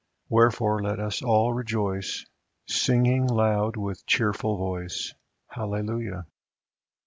Wherefore let us all rejoice, Singing loud with cheerful voice, — Hallelujah